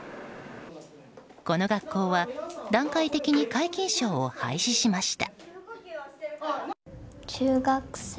この学校は段階的に皆勤賞を廃止しました。